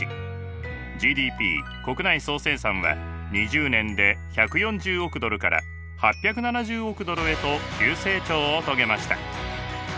ＧＤＰ国内総生産は２０年で１４０億ドルから８７０億ドルへと急成長を遂げました。